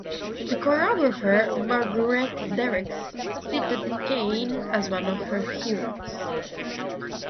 The choreographer Marguerite Derricks cited Kain as one of her heroes.